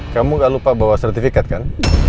kamu gak lupa bawa sertifikat kan